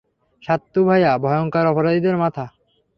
সাত্তু ভাইয়া ভয়ংকর অপরাধীদের মাথা।